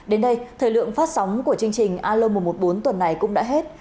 đến đây thời lượng phát sóng của chương trình alo một trăm một mươi bốn tuần này cũng đã hết